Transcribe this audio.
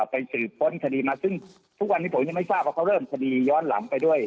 ไปสืบค้นคดีมาซึ่งทุกวันนี้ผมยังไม่ทราบว่าเขาเริ่มคดีย้อนหลังไปด้วย